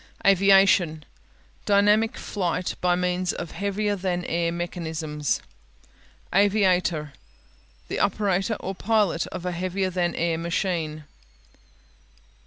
Aviation (a vi a'shun) Dynamic flight by means of heavier than air mechanisms. Aviator (a'vi a ter) The operator or pilot of a heavier than air machine.